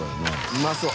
うまそう。